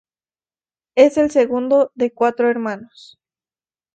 Es el segundo de cuatro hermanos.